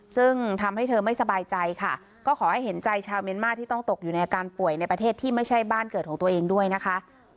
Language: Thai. ซึ่งทำให้เธอไม่สบายใจค่ะก็ขอให้เห็นใจชาวเมียนมาที่ต้องตกอยู่ในอาการป่วยในประเทศที่ไม่ใช่บ้านเกิดของตัวเองด้วยนะคะ